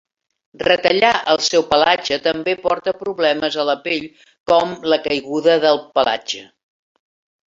Retallar el seu pelatge també porta problemes a la pell com la caiguda del pelatge.